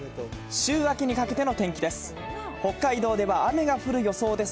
週明けにかけての天気です。